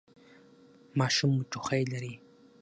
ماشوم مو ټوخی لري؟